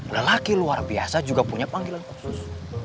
lelaki luar biasa juga punya panggilan khusus